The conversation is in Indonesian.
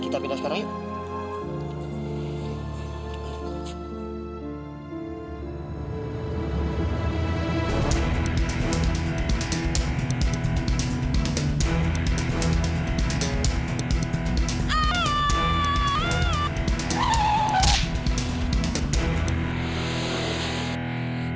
seseorang juga prejudice kamu